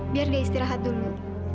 biar dia istirahat dulu